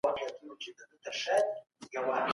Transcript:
کار د ځان ارزښت پیاوړی کوي.